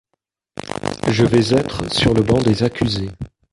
Je vais être sur le banc des accusés.